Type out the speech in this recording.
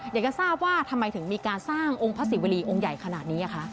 อยากจะทราบว่าทำไมถึงมีการสร้างองค์พระศิวรีองค์ใหญ่ขนาดนี้คะ